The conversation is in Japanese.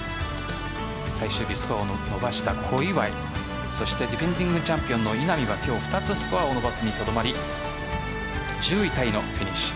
最終日、スコアを伸ばした小祝そしてディフェンディングチャンピオンの稲見は今日２つスコアを伸ばすにとどまり１０位タイのフィニッシュ。